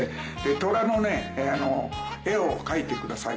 「トラの絵を描いてください